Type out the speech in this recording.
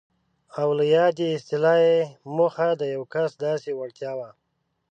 او له یادې اصطلاح یې موخه د یو کس داسې وړتیا وه.